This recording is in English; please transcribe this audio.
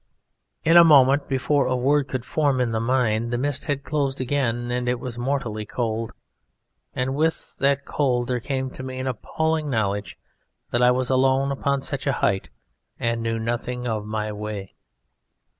In a moment, before a word could form in the mind, the mist had closed again and it was mortally cold; and with that cold there came to me an appalling knowledge that I was alone upon such a height and knew nothing of my way.